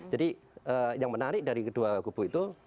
jadi yang menarik dari kedua gubu itu